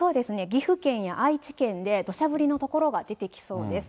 岐阜県や愛知県でどしゃ降りの所が出てきそうです。